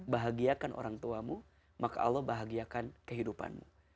bahagiakan orang tuamu maka allah bahagiakan kehidupanmu